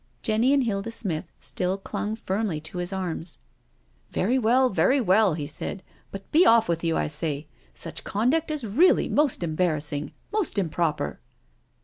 Jenny and Hilda Smith still clung firmly to his arms. " Very well, very well," he said, " but be off with you, I say. Such conduct is really most embarrassing — most improper.